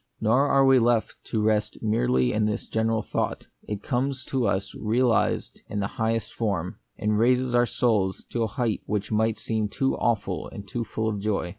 Nor are we left indeed to rest merely in this general thought : it comes to us realised in the highest The Mystery of Pain. 1 7 form, and raises our souls to a height which might seem too awful and too full of joy.